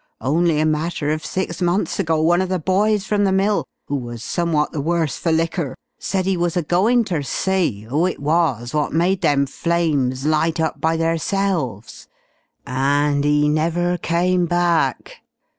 Only a matter of six months ago one of the boys from the mill, who was somewhat the worse for liquor, said he was a goin' ter see who it was wot made them flames light up by theirselves, and he never came back.